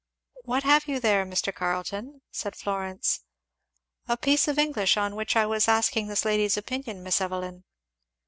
"What have you there, Mr. Carleton?" said Florence. "A piece of English on which I was asking this lady's opinion, Miss Evelyn."